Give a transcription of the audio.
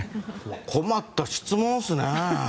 困った質問っすね。